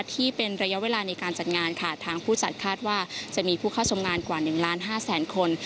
ที่เป็นระยะเวลาในการจัดงานค่ะทางผู้จัดคาดว่าจะมีผู้เข้าชมงานกว่า๑ล้านห้าแสนคน